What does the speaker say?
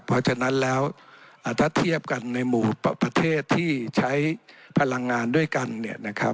เพราะฉะนั้นแล้วถ้าเทียบกันในหมู่ประเทศที่ใช้พลังงานด้วยกันเนี่ยนะครับ